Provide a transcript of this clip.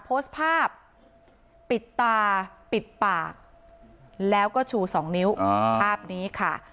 โพสต์ภาพปิดตาปิดปากแล้วก็ชูสองนิ้วภาพนี้ค่ะ